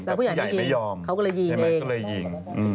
แต่ผู้ใหญ่ไม่ยอมก็เลยยิง